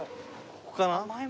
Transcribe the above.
ここかな？